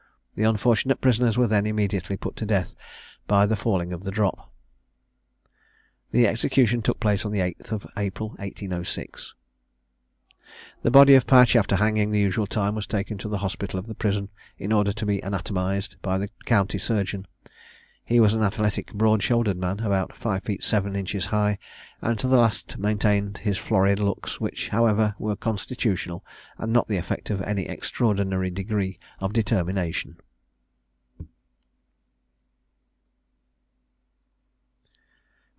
The unfortunate prisoners were then immediately put to death by the falling of the drop. The execution took place on the 8th of April, 1806. The body of Patch, after hanging the usual time, was taken to the hospital of the prison, in order to be anatomised by the county surgeon. He was an athletic, broad shouldered man, about five feet seven inches high, and to the last maintained his florid looks, which, however, were constitutional, and not the effect of any extraordinary degree of determination.